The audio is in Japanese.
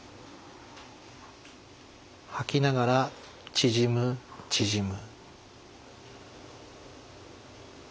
吐きながら「縮む縮む」。